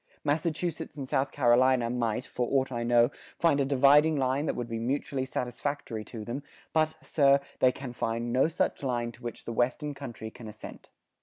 ... Massachusetts and South Carolina might, for aught I know, find a dividing line that would be mutually satisfactory to them; but, Sir, they can find no such line to which the western country can assent."